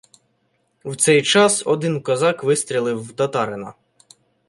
В цей час один козак вистрілив в татарина.